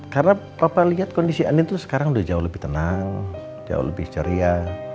karena papa liat kondisi anin tuh sekarang udah jauh lebih tenang jauh lebih ceria